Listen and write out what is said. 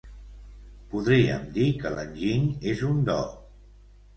Podríem dir que l'enginy és un do.